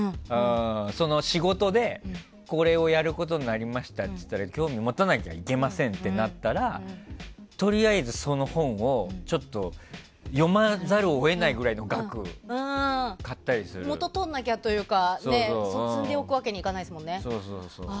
その仕事で、これをやることになりましたって言ったら興味持たなきゃいけませんってなったらとりあえず、その本をちょっと読まざるを得ないぐらいの額を元を取らなきゃというか積んでおくわけにはいかないですよね。